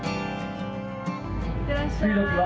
行ってらっしゃい。